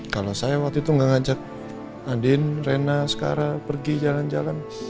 kalau saya waktu itu gak ngajak andin rena askara pergi jalan jalan